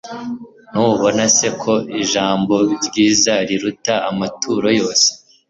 ntubona se ko ijambo ryiza riruta amaturo yose